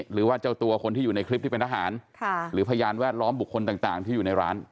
หรือว่าเจ้าตัวคนที่อยู่ในคลิปที่เป็นทหารหรือพยานแวดล้อมบุคคลต่างที่อยู่ในร้าน